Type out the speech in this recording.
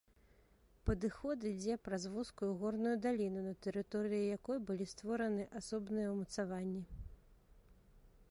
Падыход ідзе праз вузкую горную даліну, на тэрыторыі якой былі створаны асобныя ўмацаванні.